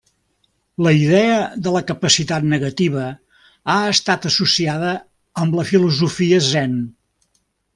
La idea de la capacitat negativa ha estat associada amb la filosofia zen.